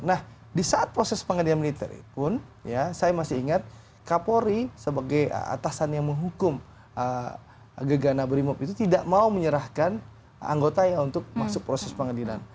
nah di saat proses pengadilan militer pun ya saya masih ingat kapolri sebagai atasan yang menghukum gegana brimob itu tidak mau menyerahkan anggotanya untuk masuk proses pengadilan